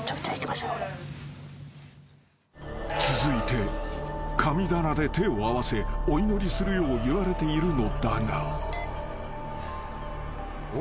［続いて神棚で手を合わせお祈りするよう言われているのだが］